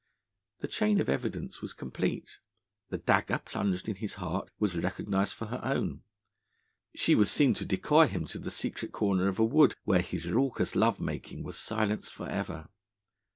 The chain of evidence was complete: the dagger plunged in his heart was recognised for her own; she was seen to decoy him to the secret corner of a wood, where his raucous love making was silenced for ever.